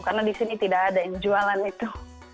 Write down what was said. karena di sini tidak ada yang jualan itu